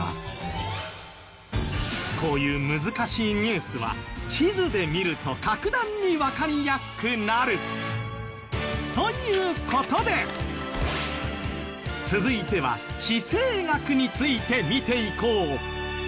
こういう難しいニュースは地図で見ると格段にわかりやすくなる。という事で続いては地政学について見ていこう。